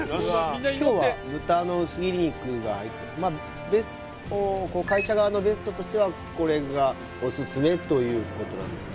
今日は豚の薄切り肉が入って会社側のベストとしてはこれがオススメということなんですか？